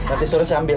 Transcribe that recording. nanti suruh saya ambil